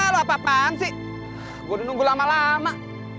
loh apa apaan sih gue udah nunggu lama lama